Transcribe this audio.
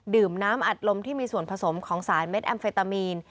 ดื่มน้ำอัดลมที่มีส่วนผสมของสารเม็ดแอมเฟตามีน